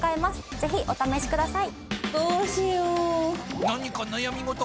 ぜひお試しください。